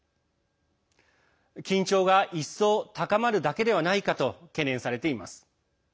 緊張が、一層高まるだけではないかと懸念されています。